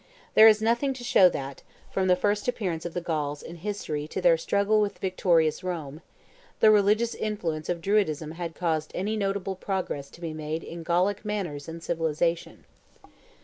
There is nothing to show that, from the first appearance of the Gauls in history to their struggle with victorious Rome, the religious influence of Druidism had caused any notable progress to be made in Gallic manners and civilization.